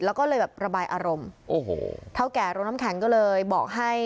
แล้วก็เลยแบบระบายอารมณ์โอ้โหเท่าแก่โรงน้ำแข็งก็เลยบอกให้